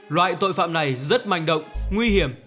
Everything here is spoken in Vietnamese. loại tội phạm này rất manh động nguy hiểm